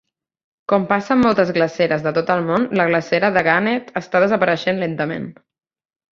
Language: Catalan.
Com passa amb moltes glaceres de tot el món, la glacera de Gannett està desapareixent lentament.